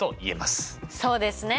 そうですね！